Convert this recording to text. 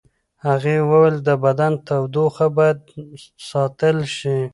هغې وویل د بدن تودوخه باید ساتل شي.